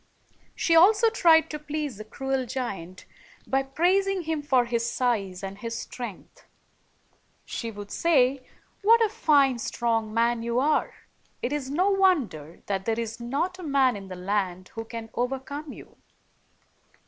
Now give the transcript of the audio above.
She also tried to please the cruel giant by praising him for his size and his strength. She would say, "What a fine, strong man you are! It is no wonder that there is not a man in the land who can overcome you."